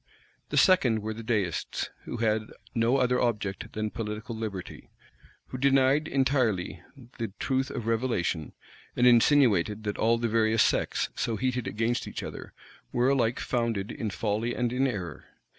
The second were the Deists, who had no other object than political liberty, who denied entirely the truth of revelation, and insinuated, that all the various sects, so heated against each other, were alike founded in folly and in error.